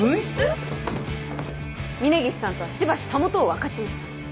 峰岸さんとはしばし袂を分かちましたので。